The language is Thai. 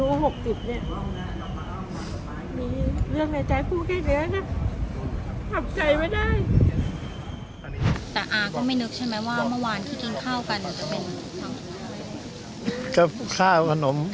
มีเรื่องในใจพูดแค่เดียวนะ